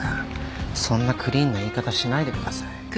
そんなクリーンな言い方しないでください。